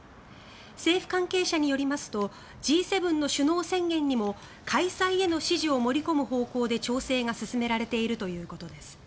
政府関係者によりますとＧ７の首脳宣言にも開催への支持を盛り込む方向で調整が進められているということです。